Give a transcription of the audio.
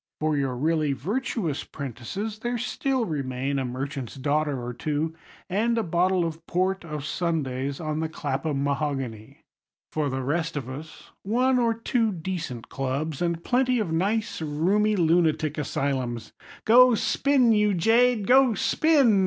For your really virtuous 'prentices there still remain a merchant's daughter or two, and a bottle of port o' Sundays on the Clapham mahogany. For the rest of us, one or two decent clubs, and plenty of nice roomy lunatic asylums. "Go spin, you jade, go spin!"